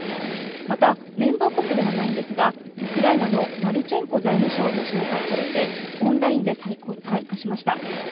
またメンバー国ではないんですがウクライナのマルチェンコ財務相も招待されてオンラインで参加しました。